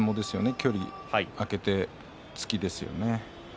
距離を空けて突きですよね。